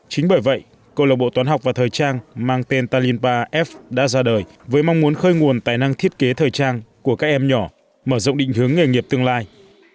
chính bởi vậy câu lạc bộ toán học và thời trang mang tên talinpa f đã ra đời với mong muốn khơi nguồn tài năng thiết kế thời trang của các em nhỏ mở rộng định hướng nghề nghiệp tương lai